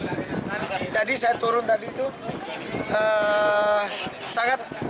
sangat ditantang dengan angin yang hampir habis